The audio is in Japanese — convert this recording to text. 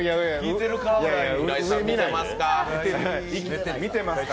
浦井さん見てますか？